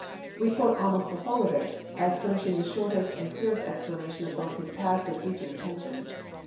We quote almost the whole of it, as furnishing the shortest and clearest explanation of both his past and future intentions.